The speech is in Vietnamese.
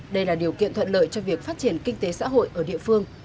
đây là điều kiện thuận lợi cho việc phát triển kinh tế xã hội ở địa phương